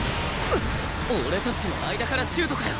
俺たちの間からシュートかよ！